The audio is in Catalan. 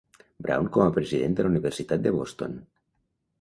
Brown com a president de la universitat de Boston.